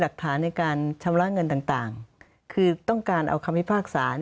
หลักฐานในการชำระเงินต่างคือต้องการเอาคำพิพากษา